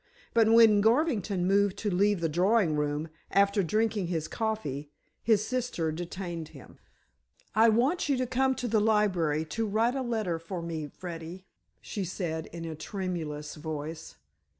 But when Garvington moved to leave the drawing room, after drinking his coffee, his sister detained him. "I want you to come to the library to write a letter for me, Freddy," she said in a tremulous voice.